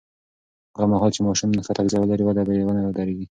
هغه مهال چې ماشوم ښه تغذیه ولري، وده به یې ونه درېږي.